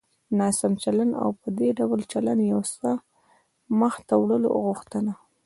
ناسم چلند او په دې ډول چلند د يو څه مخته وړلو غوښتنه.